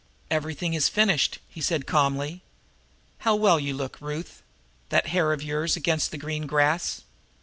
"Everything is finished," he said calmly. "How well you look, Ruth that hair of yours against the green grass.